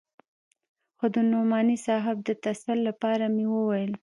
خو د نعماني صاحب د تسل لپاره مې وويل.